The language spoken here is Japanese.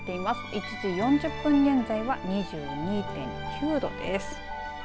１時４０分現在は２２．９度です。